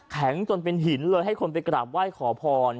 จนเป็นหินเลยให้คนไปกราบไหว้ขอพร